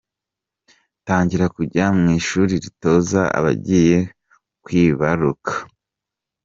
Tangira kujya mu ishuri ritoza abagiye kwibaruka.